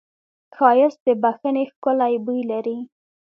ښایست د بښنې ښکلی بوی لري